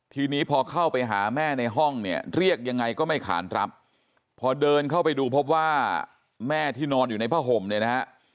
ทีนี้พอเข้าไปหาแม่ในห้องเนี่ยเรียกยังไงก็ไม่ขานรับพอเดินเข้าไปดูพบว่าแม่ที่นอนอยู่ในผ้าห่มเนี่ยนะฮะ